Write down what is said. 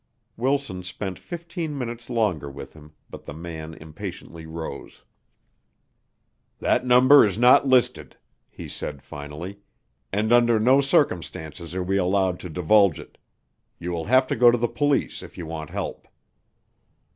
Wilson spent fifteen minutes longer with him, but the man impatiently rose. "That number is not listed," he said finally, "and under no circumstances are we allowed to divulge it. You will have to go to the police if you want help."